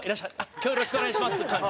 「今日よろしくお願いします」って感じ。